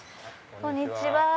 こんにちは。